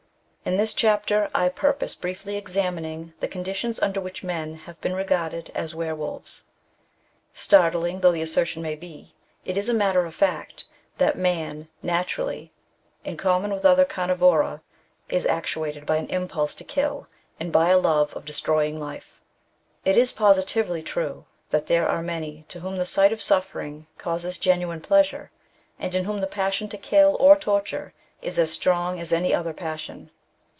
In this chapter I purpose briefly examining the con ditions under which men have been regarded as were wolves. Startling though the assertion may be, it is a matter of &ct, that TTiftTi^ naturally, in common with other 2 camivora , is actuated by an impulse to kill, and by a love of destroying life. It is positively true that there are many to whom the sight of suffering causes genuine pleasure, and in whom the passion to kill or torture is as strong as any other passion.